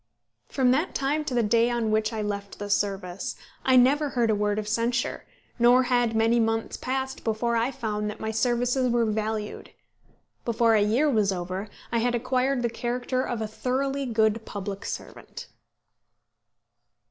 From that time to the day on which I left the service, I never heard a word of censure, nor had many months passed before I found that my services were valued. Before a year was over, I had acquired the character of a thoroughly good public servant.